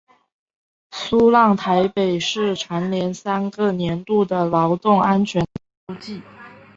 苏让台北市蝉联三个年度的劳动安全特优纪。